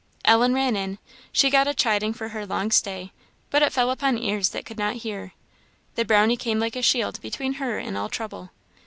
Ellen ran in. She got a chiding for her long stay, but it fell upon ears that could not hear. The Brownie came like a shield between her and all trouble.